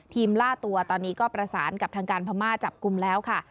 ล่าตัวตอนนี้ก็ประสานกับทางการพม่าจับกลุ่มแล้วค่ะ